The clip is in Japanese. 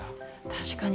確かに。